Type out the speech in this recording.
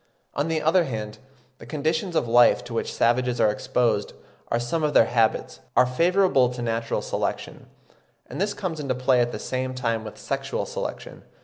On the other hand, the conditions of life to which savages are exposed, and some of their habits, are favourable to natural selection; and this comes into play at the same time with sexual selection.